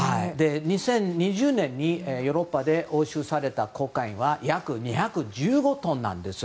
２０２０年にヨーロッパで押収されたコカインは約２１５トンなんです。